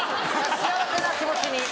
幸せな気持ちに。